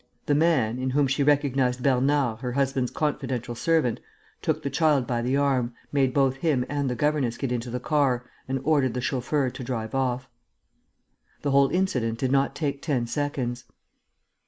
The man, in whom she recognized Bernard, her husband's confidential servant, took the child by the arm, made both him and the governess get into the car, and ordered the chauffeur to drive off. The whole incident did not take ten seconds.